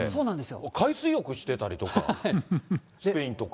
海水浴してたりとか、スペインとか。